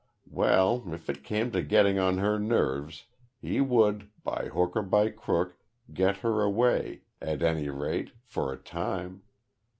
Well, if it came to getting on her nerves, he would, by hook or by crook get her away at any rate for a time.